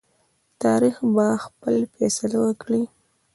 تاریخ به خپل فیصله وکړي.